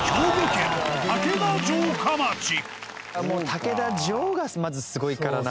竹田城がまずすごいからな。